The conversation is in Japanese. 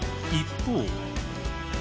一方。